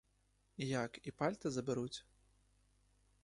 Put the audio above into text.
Як, і пальта заберуть?